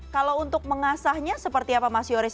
kalau untuk mengasahnya seperti apa mas yoris